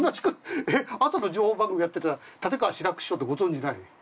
朝の情報番組やってた立川志らく師匠ってご存じない？